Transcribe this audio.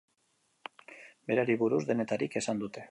Berari buruz denetarik esan dute.